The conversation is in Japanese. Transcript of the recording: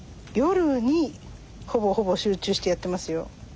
夜にほぼほぼ集中してやってますよ。